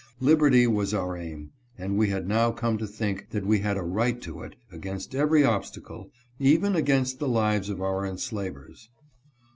Liberty was our aim, and we had now come to think that we had a right to it against every obstacle, even against the lives of our enslavers.